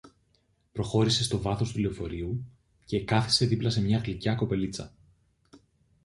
Προχώρησε στο βάθος του λεωφορείου και κάθισε δίπλα σε μία γλυκιά κοπελίτσα